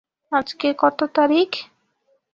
আজকে কত তারিখ?